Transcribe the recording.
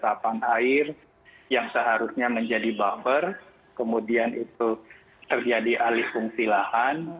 terapan air yang seharusnya menjadi buffer kemudian itu terjadi alih fungsi lahan